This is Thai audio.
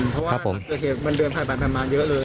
เพราะว่ามันเดินผ่านมาเยอะเลย